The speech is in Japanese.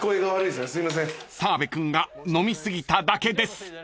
［澤部君が飲み過ぎただけです］